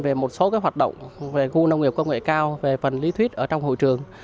về một số hoạt động về khu nông nghiệp công nghệ cao về phần lý thuyết ở trong hội trường